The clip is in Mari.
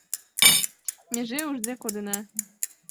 Меже ужде кодына.